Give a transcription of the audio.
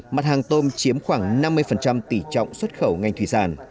mặt hàng tôm chiếm khoảng năm mươi tỷ trọng xuất khẩu ngành thủy sản